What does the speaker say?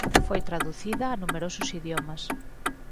Foi traducida a numerosos idiomas.